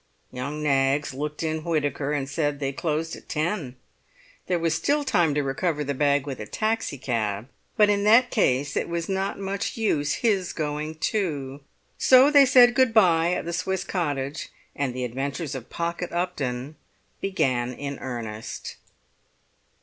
Young Knaggs looked in Whitaker and said they closed at ten. There was still time to recover the bag with a taxicab, but in that case it was not much use his going too. So they said goodbye at the Swiss Cottage, and the adventures of Pocket Upton began in earnest.